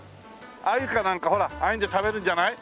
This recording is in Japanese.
アユかなんかほらああいうので食べるんじゃない？